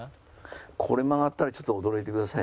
これ曲がったらちょっと驚いてくださいね。